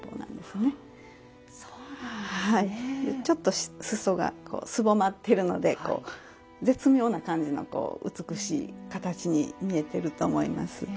ちょっと裾がすぼまっているので絶妙な感じのこう美しい形に見えてると思います